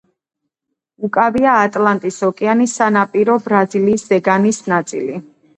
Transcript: უკავია ატლანტის ოკეანის სანაპირო ბრაზილიის ზეგანის ნაწილი.